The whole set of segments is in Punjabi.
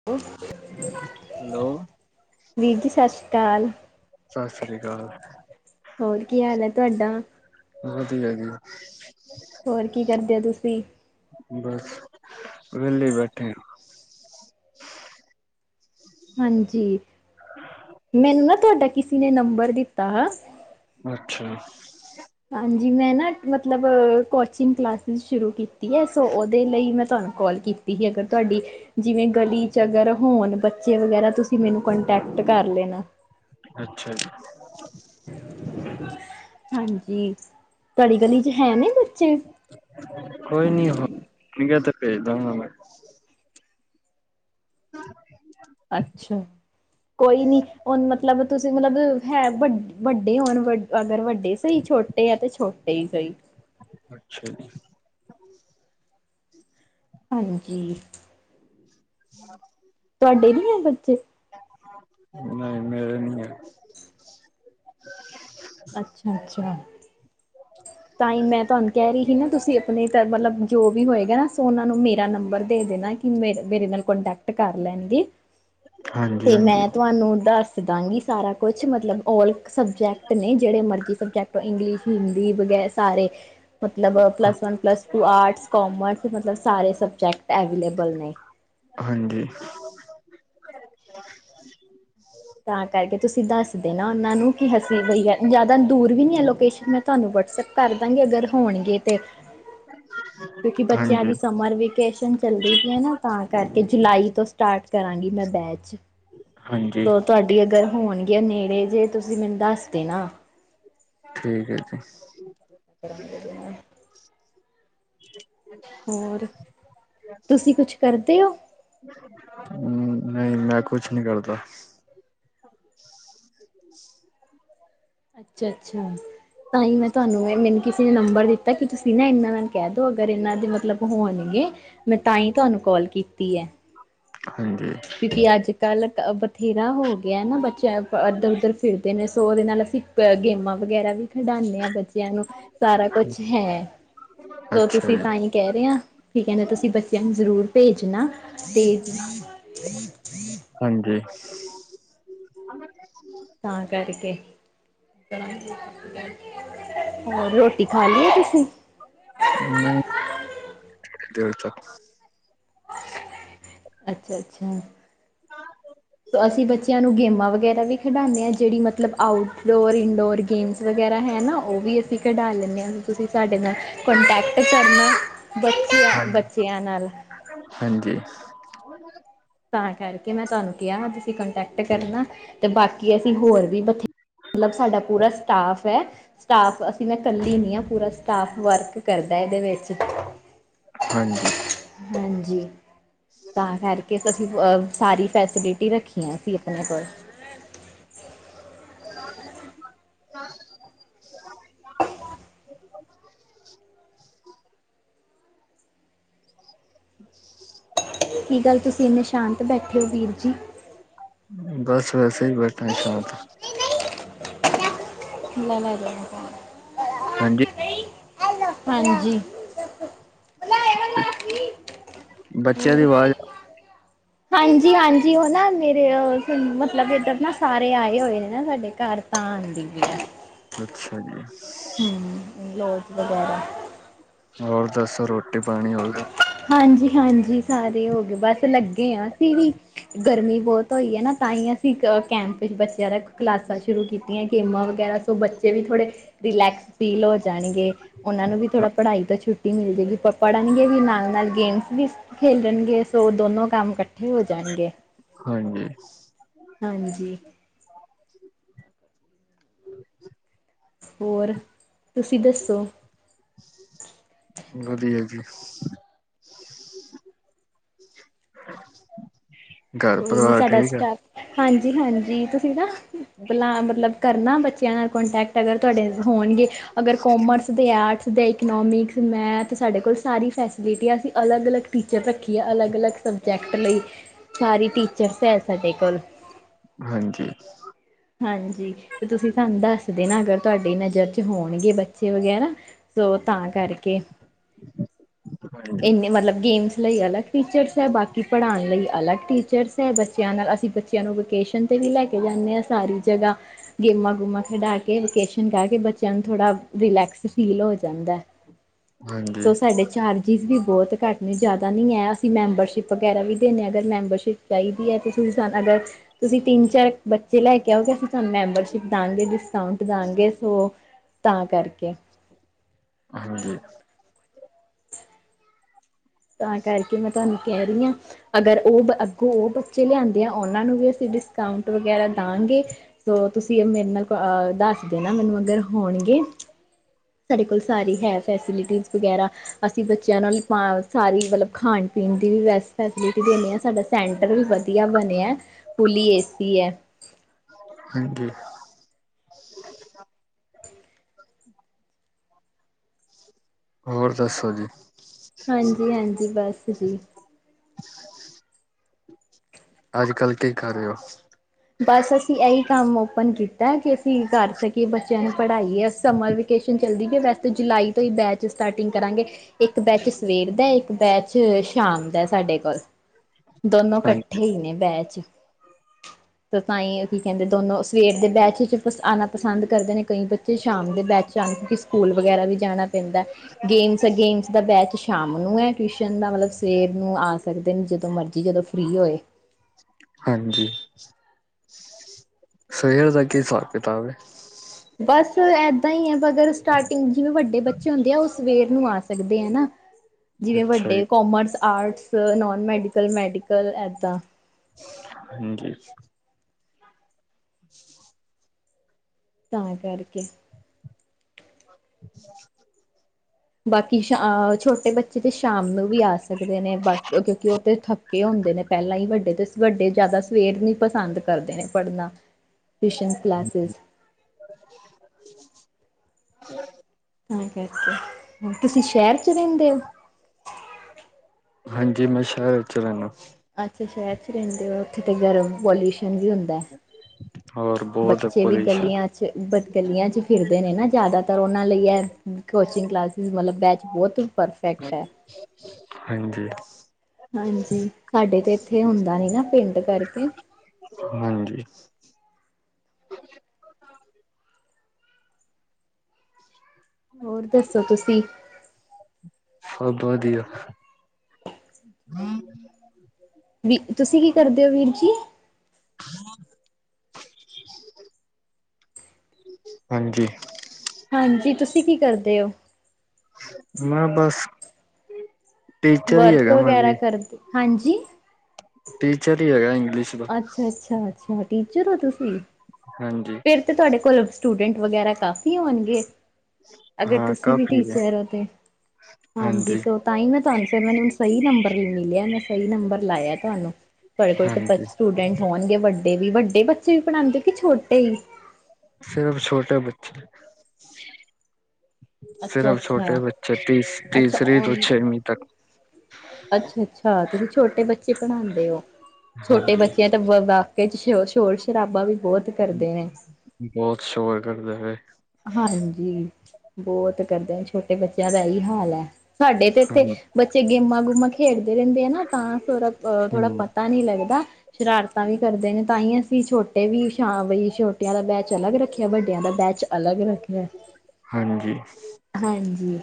ਉਹ ਹੈਲੋ ਵੀਰ ਜੀ ਸਤਿ ਸ੍ਰੀ ਅਕਾਲ, ਸਤਿ ਸ੍ਰੀ ਅਕਾਲ। ਹੋਰ ਕੀ ਹਾਲ ਹੈ ਤੁਹਾਡਾ ਵਧੀਆ ਜੀ ਹੋਰ ਕੀ ਕਰਦੇ ਤੁਸੀਂ ਬਸ ਵਿਹਲੇ ਬੈਠੇ ਆ ਹਾਂਜੀ, ਮੈਨੂੰ ਨਾ ਤੁਹਾਡਾ ਕਿਸੇ ਨੇ ਨੰਬਰ ਦਿੱਤਾ ਹੈ। ਅੱਛਾ। ਹਾਂਜੀ, ਮੈਂ ਨਾ, ਮਤਲਬ ਕੋਚਿੰਗ ਕਲਾਸਿਸ ਸ਼ੁਰੂ ਕੀਤੀ ਹੈ ਸੋ ਦੇ ਲਈ ਮੈਂ ਤੁਹਾਨੂੰ ਕੋਲ ਕੀਤੀ ਸੀ ਅਗਰ, ਤੁਹਾਡੀ ਜਿਵੇਂ ਗਲੀ 'ਚ ਅਗਰ ਹੋਣ ਬੱਚੇ ਵਗੈਰਾ ਤੁਸੀਂ ਮੈਨੂੰ ਕੰਟੈਂਕਟ ਕਰ ਲੈਣਾ। ਅੱਛਾ ਜੀ। ਹਾਂਜੀ, ਤੁਹਾਡੀ ਗਲੀ 'ਚ ਹੈ ਨਹੀ ਬੱਚੇ ਕੋਈ ਨੀ, ਹੋਣਗੇ ਤੇ ਭੇਜ ਦਵਾਂਗਾ ਮੈਂ। [inaudible] ਅੱਛਾ ਕੋਈ ਨੀ, ਹੁਣ ਮਤਲਬ ਤੁਸੀਂ ਮਤਲਬ ਹੈ ਵੱ ਵੱਡੇ ਹੋਣ ਵ ਅਗਰ ਵੱਡੇ ਸਹੀ ਛੋਟ ਛੋਟੇ ਆ ਤੇ ਛੋਟੇ ਹੀ ਸਹੀ ਅੱਛਾ ਜੀ ਹਾਂਜੀ [inaudible] ਤੁਹਾਡੇ ਨੀ ਹੈ ਬੱਚੇ ਨਹੀਂ, ਮੇਰੇ ਨਹੀਂ ਹੈ। ਅੱਛਾ, ਅੱਛਾ ਤਾਂ ਹੀ ਮੈਂ ਤੁਹਾਨੂੰ ਕਹਿ ਰਹੀ ਸੀ ਨਾ ਤੁਸੀਂ ਆਪਣੇ ਮਤਲਬ ਜੋ ਵੀ ਹੋਏਗਾ ਨਾ ਤੁਸੀਂ ਉਹਨਾ ਨੂੰ ਮੇਰਾ ਨੰਬਰ ਦੇ ਦੇਣਾ। ਮੇ ਮੇਰੇ ਨਾਲ ਕੋਂਟੈਕਟ ਕਰ ਲੈਣਗੇ, ਹਾਂਜੀ, ਤੇ ਹਾਂਜੀ, ਮੈਂ ਤੁਹਾਨੂੰ ਦੱਸ ਦਸ ਦਵਾਂਗੀ ਸਾਰਾ ਕੁਛ, ਮਤਲਬ ਔਲ ਸਬਜੈਕਟ ਨੇ ਜਿਹੜੇ ਮਰਜ਼ੀ ਸਬਜੈਕਟ ਇੰਗਲਿਸ਼ ਹਿੰਦੀ ਵਗੈਰਾ ਸਾਰੇ, ਮਤਲਬ plus one, plus two arts, commerce ਮਤਲਬ ਸਾਰੇ ਸਬਜੈਕਟ ਐਵੇਲੇਬਲ ਨੇ। ਹਾਂਜੀ। ਤਾਂ ਕਰਕੇ ਤੁਸੀਂ ਦੱਸਦੇ ਨਾ ਉਹਨਾਂ ਨੂੰ ਕਿ ਅਸੀਂ ਬਈਆ, ਜਿਆਦਾ ਦੂਰ ਵੀ ਨੀ ਹੈ ਲੋਕੇਸ਼ਨ ਤੁਹਾਨੂੰ ਵਟਸਐਪ ਕਰ ਦਾਵਾਂਗੇ, ਅਗਰ ਹੋਣਗੇ ਤੇ ਕਿਉਂਕਿ ਬੱਚਿਆਂ ਹਾਂਜੀ। ਦੀ ਸਮਰ ਵੇਕੇਸ਼ਨ ਚੱਲਦੀ ਪਈ ਹੈ ਨਾ, ਤਾਂ ਕਰਕੇ ਜੁਲਾਈ ਤੋਂ ਸਟਾਰਟ ਕਰਾਂਗੀ ਮੈਂ ਬੈਚ। ਹਾਂਜੀ। ਸੋ ਤੁਹਾਡੀ ਅਗਰ ਹੋਣਗੀਆਂ ਨੇੜੇ, ਜੇ ਤੁਸੀਂ ਮੈਨੂੰ ਦੱਸ ਦੇਣਾ ਨਾ। ਠੀਕ ਹੈ ਜੀ। ਕਰਾਂਗੇ ਨਾਲ। [unintelligible] [unintelligible] ਹੋਰ ਤੁਸੀਂ ਕੁਛ ਕਰਦੇ ਹੋ ਹਮ ਨਹੀਂ ਮੈਂ ਕੁਛ ਨਹੀਂ ਕਰਦਾ। ਅੱਛਾ ਅੱਛਾ ਤਾਂ ਹੀ ਮੈਂ ਤੁਹਾਨੂੰ ਮੈਨ ਕਿਸੇ ਨੇ ਨੰਬਰ ਦਿੱਤਾ ਕਿ ਤੁਸੀਂ ਨਾ ਇੰਨਾ ਦਾ ਕਹਿ ਦੋ ਅਗਰ ਇਹਨਾਂ ਦੇ ਮਤਲਬ ਹੋਣਗੇ ਮੈਂ ਤਾਂ ਹੀ ਤੁਹਾਨੂੰ ਕਾਲ ਕੀਤੀ ਏ। ਹਾਂਜੀ। ਕਿਉਂਕਿ ਅੱਜ ਕੱਲ੍ਹ ਬਥੇਰਾ ਹੋ ਗਿਆ ਨਾ ਬੱਚੇ ਇੱਧਰ ਉੱਧਰ ਫਿਰਦੇ ਨੇ ਸੋ ਇਦੇ ਨਾਲ ਅਸੀਂ ਅ ਗੇਮਾਂ ਵਗੈਰਾ ਵੀ ਖਿਡਾਂਦੇ ਆਂ ਬੱਚਿਆਂ ਨੂੰ ਸਾਰਾ ਕੁਝ ਹੈ। ਅੱਛਾ ਤੁਸੀਂ ਜੀ, ਤਾਂ ਹੀ ਕਹਿ ਰਹੇ ਆ ਠੀਕ ਹੈ ਤੁਸੀਂ ਬੱਚਿਆਂ ਨੂੰ ਜ਼ਰੂਰ ਭੇਜਣਾ। ਠੀਕ ਹੈ। [unintelligible] ਹਮ। [unintelligible] ਤਾਂ ਕਰਕੇ। ਹੋਰ ਰੋਟੀ ਖਾ ਲੀ ਏ ਤੁਸੀਂ? ਨਹੀਂ ਦੇਰ ਤੱਕ। ਅੱਛਾ ਅੱਛਾ। [unintelligible] ਹਮ। ਅਸੀਂ ਬੱਚਿਆਂ ਨੂੰ ਗੇਮਾਂ ਵਗੈਰਾ ਵੀ ਖਿਡਾਂਦੇ ਹਾਂ ਜਿਹੜੀ ਮਤਲਬ ਆਊਟਡੋਰ, ਇਨਡੋਰ ਗੇਮਸ ਵਗੈਰਾ ਹੈ ਨਾ ਉਹ ਵੀ ਅਸੀਂ ਖਿਡਾ ਲੈਂਨੇ ਹਾਂ ਤੁਸੀਂ ਸਾਡੇ ਨਾਲ ਕੋਂਟੈਕਟ ਕਰਨਾ ਬੱਚ ਹਾਂਜੀ, ਬੱਚਿਆਂ ਨਾਲ ਹਾਂਜੀ ਹੋਰ [unintelligible] ਤਾਂ ਕਰਕੇ ਮੈਂ ਤੁਹਾਨੂੰ ਕਿਹਾ ਤੁਸੀਂ ਕੰਟੈਕਟ ਕਰਨਾ ਤੇ ਬਾਕੀ ਅਸੀਂ ਹੋਰ ਵੀ ਬਥੇ ਮਤਲਬ ਸਾਡਾ ਪੂਰਾ ਸਟਾਫ ਹੈ। ਸਟਾਫ ਅਸੀਂ ਮੈਂ ਇਕੱਲੀ ਨਹੀਂ ਹਾਂ ਪੂਰਾ ਸਟਾਫ ਵਰਕ ਕਰਦੈ ਇਹਦੇ ਵਿੱਚ ਹਾਂਜੀ ਹਾਂਜੀ ਤਾਂ ਕਰਕੇ ਅਸੀਂ ਅਹ ਸਾਰੀ ਫੈਸਿਲਿਟੀ ਰੱਖੀਆਂ ਸੀ ਆਪਣੇ ਕੋਲ। [unintelligible] [unintelligible] [unintelligible] ਕੀ ਗੱਲ ਤੁਸੀਂ ਇੰਨੇ ਸ਼ਾਂਤ ਬੈਠੇ ਹੋ ਵੀਰ ਜੀ। ਬਸ ਵੈਸੇ ਹੀ ਬੈਠਾ ਸ਼ਾਂਤ। [unintelligible] ਹਾਂਜੀ। ਹਾਂਜੀ। ਬੱਚਿਆਂ ਦੀ ਹੋਰ ਆਵਾਜ਼ ਹਾਂਜੀ ਹਾਂਜੀ ਉਹ ਨਾ ਮੇਰੇ ਮਤਲਬ ਇੱਧਰ ਨਾ ਸਾਰੇ ਆਏ ਹੋਏ ਨੇ ਨਾ ਸਾਡੇ ਘਰ। ਤਾਂ ਆਂਦੀ ਬੀ ਏ ਅੱਛਾ ਜੀ। ਹਮ ਲੋਕ ਵਗੈਰਾ ਹੋਰ ਦੱਸੋ ਰੋਟੀ ਪਾਣੀ ਹੋ ਗਿਆ? ਹਾਂਜੀ ਹਾਂਜੀ ਸਾਰੇ ਹੋ ਗਏ ਬਸ ਲੱਗੇ ਆਂ ਅਸੀਂ ਵੀ। ਗਰਮੀ ਬਹੁਤ ਹੋਈ ਹੈ ਨਾ ਤਾਂ ਹੀ ਅਸੀ ਕ ਕੈਂਪ ਵਿੱਚ ਬੱਚਿਆਂ ਦਾ ਕਲਾਸਾਂ ਸ਼ੁਰੂ ਕੀਤੀਆਂ ਗੇਮਾਂ ਵਗੈਰਾ ਸੋ ਬੱਚੇ ਵੀ ਥੋੜ੍ਹੇ ਰਿਲੈਕਸ ਫੀਲ ਹੋ ਜਾਣਗੇ ਉਹਨਾਂ ਨੂੰ ਵੀ ਥੋੜ੍ਹਾ ਪੜ੍ਹਾਈ ਤੋਂ ਛੁੱਟੀ ਮਿਲ ਜਾਏਗੀ ਪੜ੍ਹਨਗੇ ਵੀ ਨਾਲ ਨਾਲ ਗੇਮਸ ਵੀ ਖੇਲਣਗੇ ਸੋ ਦੋਨੋ ਕੰਮ ਹੋ ਜਾਣਗੇ ਹਾਂਜੀ ਹਾਂਜੀ ਹੋਰ, ਤੁਸੀਂ ਦੱਸੋ [inaudible] ਵਧੀਆ ਜੀ ਘਰ ਕੋਈ ਨਹੀਂ ਪਰਿਵਾਰ ਸਾਡਾ ਠੀਕ ਹੈ ਸਟਾਫ, ਹਾਂਜੀ- ਹਾਂਜੀ ਤੁਸੀਂ ਨਾ ਬਲਾ ਮਤਲਬ ਕਰਨਾ ਬੱਚਿਆਂ ਨਾਲ ਕੋਂਟੈਕਟ, ਅਗਰ ਤੁਹਾਡੇ ਹੋਣਗੇ, ਅਗਰ ਕੋਮਰਸ ਦੇ ਆਰਟਸ ਦੇ ਇਕੋਨੋਮਿਕਸ, ਮੈਥ ਸਾਡੇ ਕੋਲ ਸਾਰੀ ਫੈਸ ਜਿਟੀਆਂ ਅਸੀਂ ਅਲੱਗ ਅਲਗ ਟੀਚਰ ਰੱਖੀਆਂ, ਅਲੱਗ- ਅਲਗ ਸਬਜੈਕਟ ਲਈ ਸਾਰੀ ਟੀਚਰਸ ਹੈ ਸਾਡੇ ਕੋਲ ਹਾਂਜੀ ਹਾਂਜੀ, ਤੇ ਤੁਸੀਂ ਸਾਨੂੰ ਦੱਸ ਦੇਣਾ, ਅਗਰ ਤੁਹਾਡੀ ਨਜ਼ਰ ਤੇ ਹੋਣਗੇ ਬੱਚੇ ਵਗੈਰਾ, ਸੋ ਤਾਂ ਕਰਕੇ [inaudible] ਇੰਨੇ ਮਤਲਬ ਗੇਮਸ ਲਈ ਅਲੱਗ ਟੀਚਰਸ ਹੈ, ਬਾਕੀ ਪੜ੍ਹਾਉਣ ਲਈ ਅਲੱਗ ਟੀਚਰਸ ਹੈ, ਬੱਚਿਆਂ ਨਾਲ ਅਸੀਂ ਬੱਚ ਬੱਚਿਆਂ ਨੂੰ ਵਕੇਸ਼ਨ ਤੇ ਵੀ ਲੈ ਕੇ ਜਾਂਦੇ ਹਾਂ ਸਾਰੀ ਜਗ੍ਹਾ ਗੇਮਾਂ ਗੂਮਾ ਖਿਡਾ ਕੇ, ਵਕੇਸ਼ਨ ਕਰ ਕੇ, ਬੱਚਿਆਂ ਨੂੰ ਥੋੜ੍ਹਾ ਰਿਲੈਕਸ ਫੀਲ ਹੋ ਜਾਂਦਾ ਹਾਂਜੀ ਸੋ ਸਾਡੇ ਚਾਰ ਫੀਸ ਵੀ ਬਹੁਤ ਘੱਟ ਨੇ ਜ਼ਿਆਦਾ ਨਹੀਂ ਹੈ, ਅਸੀਂ ਮੈਂਬਰਸ਼ਿਪ ਵਗੈਰਾ ਵੀ ਦਿੰਦੇ ਹਾਂ ਅਗਰ ਮੈਂਬਰਸ਼ਿਪ ਚਾਹੀਦੀ ਹੈ ਤੇ ਤੁਸੀਂ ਸ ਅਗਰ ਤੁਸੀਂ, ਤਿੰਨ- ਚਾਰ ਬੱਚੇ ਜੇ ਲੈ ਕੇ ਆਉਗੇ, ਅਸੀਂ ਤੁਹਾਨੂੰ ਮੈਂਬਰਸ਼ਿਪ ਦਵਾਂਗੇ, ਡਿਸਕਾਊਂਟ ਦਵਾਂਗੇ, ਸੋ ਤਾਂ ਕਰਕੇ- ਹਾਂਜੀ ਤਾਂ ਕਰਕੇ ਮੈਂ ਤੁਹਾਨੂੰ ਕਹਿ ਰਹੀ ਹਾਂ। ਅਗਰ ਉਹ, ਅੱਗੋਂ ਉਹ ਬੱਚੇ ਲਿਆਂਦੇ ਆ, ਉਹਨਾਂ ਨੂੰ ਵੀ ਅਸੀਂ ਡਿਸਕਾਊਂਟ ਵਗੈਰਾ ਦਵਾਂਗੇ। ਸੋ ਤੁਸੀਂ ਮੇਰੇ ਨਾਲ, ਦੱਸ ਦੇਣਾ ਮੈਨੂੰ ਅਗਰ ਹੋਣਗੇ। ਸਾਡੇ ਕੋਲ ਸਾਰੀ ਹੈ, ਫੈਸਿਲਿਟੀ ਵਗੈਰਾ, ਅਸੀਂ ਬੱਚਿਆਂ ਨਾਲ ਪਾ, ਸਾਰੀ ਮਤਲਬ ਖਾਣ- ਪੀਣ ਦੀ ਵੀ ਵੈਸ ਫੈਸਲਿਟੀ ਦਿੰਦੇ ਹਾਂ ਸਾਡਾ ਸੈਂ, ਵੀ ਵਧੀਆ ਬਣਿਆ, ਫੁਲੀ ਏਸੀ ਹੈ। ਹਾਂਜੀ, ਹੋਰ ਦੱਸੋ ਜੀ? ਹਾਂਜੀ, ਹਾਂਜੀ ਬਸ ਜੀ ਅੱਜ- ਕੱਲ੍ਹ ਕੀ ਕਰ ਰਹੇ ਹੋ? ਬਸ ਅਸੀਂ ਇਹੀ ਕੰਮ ਓਪਨ ਕੀਤਾ, ਕਿ ਅਸੀਂ ਕਰ ਸਕੇ ਕਿ ਬੱਚਿਆਂ ਨੂੰ ਪੜ੍ਹਾਈਏ, ਸਮਰ ਵੇਕੇਸ਼ਨ ਚੱਲਦੀ ਹੈ ਵੈਸੇ ਜੁਲਾਈ ਤੋਂ ਹੀ ਬੈਚ ਸਟਾਰਟਿੰਗ ਕਰਾਂਗੇ, ਇੱਕ ਬੈਚ ਸਵੇਰ ਦਾ, ਇੱਕ ਬੈਚ ਸ਼ਾਮ ਤੇ ਸਾਡੇ ਕੋਲ, ਦੋਨੋ ਹਾਂਜੀ ਇਕੱਠੇ ਹੀ ਨੇ ਬੈਚ ਤਾਂ ਹੀ, ਕੀ ਕਹਿੰਦੇ ਦੋਨੋ, ਸਵੇਰ ਦੇ ਬੈਚ ਵਿੱਚ ਆਉਣਾ ਪਸੰਦ ਕਰਦੇ ਨੇ, ਕਈ ਬੱਚੇ ਸ਼ਾਮ ਦੇ ਬੈਚ ਆਉਣ, ਕਿ ਸਕੂਲ ਵਗੈਰਾ ਵੀ ਜਾਣਾ ਪੈਂਦਾ, ਗੇਮਸ, ਗੇਮਸ ਦਾ ਬੈਚ ਸ਼ਾਮ ਨੂੰ ਹੈ, ਟਿਊਸ਼ਨ ਦਾ ਮਤਲਬ ਸਵੇਰ ਨੂੰ ਆ ਸਕਦੇ ਨੇ ਜਦੋਂ ਮਰਜ਼ੀ ਜਦੋਂ ਫਰੀ ਹੋਏ ਹਾਂਜੀ, ਸਵੇਰ ਦਾ ਕੀ ਹਿਸਾਬ-ਕਿਤਾਬ ਹੈ ਬਸ ਏਦਾਂ ਹੀ ਹੈ, ਬ ਅਗਰ ਸਟਾਰਟਿੰਗ ਜਿਵੇਂ ਵੱਡੇ ਬੱਚੇ ਹੁੰਦੇ ਆ, ਉਹ ਸਵੇਰ ਨੂੰ ਆ ਸਕਦੇ ਆ ਨਾ ਜਿਵੇਂ ਅੱਛਾ ਜੀ ਵੱਡੇ commerce, arts, no medical, medical ਏਦਾਂ- ਹਾਂਜੀ ਤਾਂ ਕਰਕੇ [inaudible] ਬਾਕੀ, ਸਾ ਛੋਟੇ ਬੱਚੇ ਜੇ ਸ਼ਾਮ ਨੂੰ ਵੀ ਆ ਸਕਦੇ ਨੇ, ਬਾਕ ਕਿਉਂਕਿ ਉਹ ਤਾਂ ਥੱਕੇ ਹੁੰਦੇ ਨੇ ਪਹਿਲਾਂ ਹੀ ਵੱਡੇ ਤਾਂ, ਵੱਡੇ ਜ਼ਿਆਦਾ ਸਵੇਰ ਨੀ ਪਸੰਦ ਕਰਦੇ ਨੇ ਪੜ੍ਹਨਾ, ਟਿਊਸ਼ਨ ਕਲਾਸਿਸ [inaudible] ਤਾਂ ਕਰਕੇ, ਤੁਸੀਂ ਸ਼ਹਿਰ 'ਚ ਰਹਿੰਦੇ ਹੋ? ਹਾਂਜੀ, ਮੈਂ ਸ਼ਹਿਰ 'ਚ ਰਹਿੰਦਾ। ਅੱਛਾ ਸ਼ਹਿਰ 'ਚ ਰਹਿੰਦੇ ਆ, ਉੱਥੇ ਗਰ ਪੋਲਿਊਸ਼ਨ ਵੀ ਹੁੰ ਹੋਰ ਬਹੁਤ ਬੱਚੇ ਵੀ ਪੋਲਿਊਸ਼ਨ ਗਲੀਆਂ, ਗਲੀਆਂ ਚ ਫਿਰਦੇ ਨੇ ਨਾ ਜ਼ਿਆਦਾਤਰ, ਉਹਨਾਂ ਲਈ ਹੈ। ਕੋਚਿੰਗ, ਕਲਾਸਿਸ ਵਾਲਾ ਬੈਚ, ਬਹੁਤ ਹੀ ਪਰਫੈਕਟ ਹੈ। ਹਾਂਜੀ, ਹਾਂਜੀ, ਸਾਡੇ ਤੇ ਇੱਥੇ ਹੁੰਦਾ ਨੀ ਨਾ ਪਿੰਡ ਕਰਕੇ, ਹਾਂਜੀ, ਹੋਰ ਦੱਸੋ ਤੁਸੀਂ? ਸਭ ਵਧੀਆ, ਵੀ ਤੁਸੀਂ ਕੀ ਕਰਦੇ ਹੋ, ਵੀਰ ਜੀ? ਹਾਂਜੀ, ਹਾਂਜੀ, ਤੁਸੀਂ ਕੀ ਕਰਦੇ ਹੋ? ਮੈਂ ਬਸ, ਟੀਚਰ ਹੀ ਵਰਕ ਹੈਗਾ ਮੈਂ ਵਗੈਰਾ ਵੀ, ਕਰਦੇ ਹਾਂਜੀ ਟੀਚਰ ਹੀ ਹੈਗਾ, ਇੰਗਲਿਸ਼ ਦਾ ਅੱਛਾ-ਅੱਛਾ-ਅੱਛਾ, ਟੀਚਰ ਹੋ ਤੁਸੀਂ? ਹਾਂਜੀ ਫਿਰ ਤਾਂ ਤੁਹਾਡੇ ਕੋਲ ਸਟੂਡੈਂਟ ਵਗੈਰਾ ਕਾਫੀ ਹੋਣਗੇ। ਅਗਰ ਹਾਂ ਤੁਸੀਂ ਵੀ ਕਾਫੀ ਹੈ ਟੀਚਰ ਹੋ ਤੇ, ਹਾਂਜੀ, ਤਾਂ ਹੀ ਮੈਂ ਤੁਹਾਨੂੰ ਫਿਰ ਮੈਨੂੰ ਹੁਣ ਸਹੀ ਨੰਬਰ ਮਿਲਿਆ, ਮੈਂ ਸਹੀ ਨੰਬਰ ਲਾਇਆ ਤੁਹਾਨੂੰ ਤੁਹਾਡੇ ਕੋਲ ਤਾਂ ਹਾਂਜੀ ਸਟੂਡੈਂਟ ਹੋਣਗੇ, ਵੱਡੇ ਵੀ, ਵੱਡੇ ਬੱਚੇ ਵੀ ਪੜ੍ਹਾਉਦੇ ਕਿ ਛੋਟੇ ਹੀ। ਸਿਰਫ ਛੋਟੇ ਬੱਚੇ, ਅੱਛਾ ਸਿਰਫ ਅੱਛਾ ਛੋਟੇ ਬੱਚੇ, ਤੀ ਅੱਛਾ ਤੀਸਰੀ ਤੋਂ ਛੇਵੀਂ ਤੱਕ ਅੱਛਾ-ਅੱਛਾ, ਤੁਸੀਂ ਛੋਟੇ ਬੱਚੇ ਪੜ੍ਹਾਉਂਦੇ ਹੋ, ਛੋਟੇ ਹਾਂਜੀ ਬੱਚਿਆਂ ਵਾਕੇ ਚ, ਸ਼ੋਰ ਸ਼ਰਾਬਾ ਵੀ ਬਹੁਤ, ਕਰਦੇ ਨੇ ਬਹੁਤ ਸ਼ੋਰ ਕਰਦੇ ਰਏ, ਹਾਂਜੀ, ਬਹੁਤ ਕਰਦੇ ਛੋਟੇ ਬੱਚਿਆਂ ਦਾ ਇਹ ਹਾਲ ਹੈ, ਸਾਡੇ ਤੇ ਹਾਂ ਇੱਥੇ ਬੱਚੇ ਗੇਮਾਂ ਗੇਮਾਂ ਖੇਡਦੇ ਰਹਿੰਦੇ ਆ ਨਾ, ਤਾਂ ਥੋੜ੍ਹਾ ਹੂੰ, ਪਤਾ ਨਹੀਂ ਲੱਗਦਾ ਸ਼ਰਾਰਤਾਂ ਵੀ ਕਰਦੇ ਨੇ, ਤਾਂ ਹੀ ਅਸੀਂ ਛੋਟੇ ਵੀ ਸ਼ਾਂਈ ਛੋਟਿਆਂ ਦਾ ਬੈਚ ਅਲੱਗ ਰੱਖਿਆ, ਵੱਡਿਆਂ ਦਾ ਬੈਚ ਅਲੱਗ ਰੱਖਿਆ ਹਾਂਜੀ, ਹਾਂਜੀ,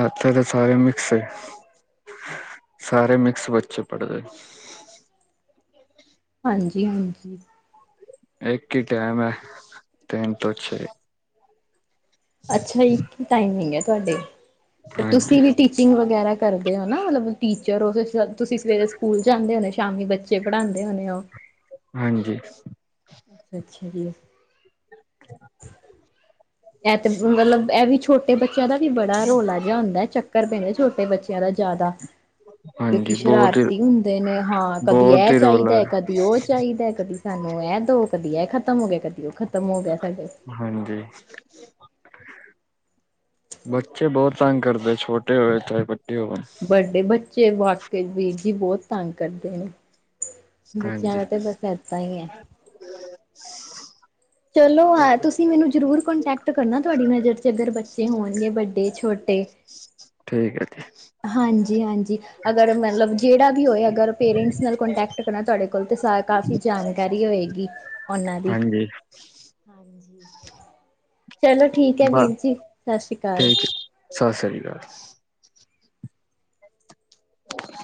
ਐਥੇ ਤਾਂ ਸਾਰੇ ਮਿਕਸ ਹੈ, ਸਾਰੇ ਮਿਕਸ ਬੱਚੇ ਪੜਦੇ ਨੇ ਹਾਂਜੀ ਹਾਂਜੀ, ਇੱਕ ਹੀ ਟਾਈਮ ਹੈ, ਤਿਨ ਤੋਂ ਛੇ ਅੱਛਾ, ਇੱਕ ਟਾਈਮਿੰਗ ਹੈ ਤੁਹਾਡੇ, ਪਰ ਹਾਂਜੀ ਤੁਸੀਂ ਵੀ ਟੀਚਿੰਗ ਵਗੈਰਾ ਕਰਦੇ ਹੋਣੇ, ਮਤਲਬ ਟੀਚਰ ਔ, ਤੁਸੀਂ ਸਵੇਰੇ ਸਕੂਲ ਜਾਂਦੇ ਹੋਣੇ ਸ਼ਾਮੀ ਬੱਚੇ ਬੱਚੇ ਪੜ੍ਹਾਂਦੇ ਹੋੁਣੇ ਉਹ ਹਾਂਜੀ ਅੱਛਾ ਅੱਛਾ ਜੀ। ਇਹ ਤੇ ਮਤਲਬ, ਇਹ ਵੀ ਛੋਟਾ ਛੋਟੇ ਬੱਚਿਆਂ ਦਾ ਵੀ ਬੜਾ ਰੌਲਾ ਜਿਹਾ ਹੁੰਦਾ ਹੈ, ਚੱਕਰ ਪੈਂਦਾ ਛੋਟੇ ਬੱਚਿਆਂ ਦਾ ਜ਼ਿਆਦਾ ਕਿਉਕਿ ਹਾਂਜੀ ਬਹੁਤ ਹੀ ਸ਼ਰਾਰਤੀ ਹੁੰਦੇ ਨੇ, ਹਾਂ ਕਦੀ ਬਹੁਤ ਇਹ ਹੀ ਰੌਲਾ ਚਾਹੀਦਾ, ਹੈ ਕਦੀ ਉਹ ਚਾਹੀਦਾ ਕਦੀ ਸਾਨੂੰ ਇਹ ਦੋ, ਕਦੀ ਇਹ ਖਤਮ ਹੋ ਗਿਆ, ਕਦੀ ਉਹ ਖਤਮ ਹੋ ਗਿਆ, ਸਾਡੇ ਹਾਂਜੀ ਬੱਚੇ ਬਹੁਤ ਤੰਗ ਕਰਦੇ, ਛੋਟੇ ਹੋਏ, ਚਾਹੇ ਵੱਡੇ ਹੋਏ ਵੱਡੇ ਬੱਚੇ ਵਾਕੇਈ, ਵੀਰ ਜੀ ਬਹੁਤ ਤੰਗ ਕਰਦੇ ਨੇ ਬੱਚਿਆਂ ਹਾਂਜੀ ਦਾ ਤੇ ਬਸ ਏਦਾਂ ਹੀ ਹੈ ਚਲੋ ਹਾਂ ਤੁਸੀਂ ਤੁਸੀਂ ਮੈਨੂੰ ਜ਼ਰੂਰ ਕੋਂਟੈਕਟ ਕਰਨਾ, ਤੁਹਾਡੀ ਨਜ਼ਰ 'ਚ ਅਗਰ ਬੱਚੇ ਹੋਣਗੇ, ਵੱਡੇ ਛੋਟੇ ਠੀਕ ਐ ਜੀ ਹਾਂਜੀ ਹਾਂਜੀ ਅਗਰ ਮਤਲਬ ਜਿਹੜਾ ਵੀ ਹੋਏ ਅਗਰ ਪੇਰੈਂਟਸ ਨਾਲ ਕੋਂਟੈਕਟ ਕਰਾਂ ਤੁਹਾਡੇ ਕੋਲ ਤੇ ਕਾਫ ਜਾਣਕਾਰੀ ਹੋਏਗੀ, ਉਹਨਾਂ ਦੀ, ਹਾਂਜੀ ਹਾਂਜੀ ਚਲੋ ਠੀਕ ਹੈ ਬ ਵੀਰ ਜੀ, ਸਤਿ ਸ੍ਰੀ ਅਕਾਲ ਠੀਕ ਸਤਿ ਸ੍ਰੀ ਅਕਾਲ [inaudible]